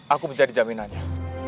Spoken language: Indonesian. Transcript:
aku menjadi jaminannya